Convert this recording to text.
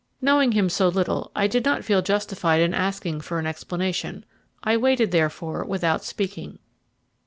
Knowing him so little I did not feel justified in asking for an explanation. I waited, therefore, without speaking.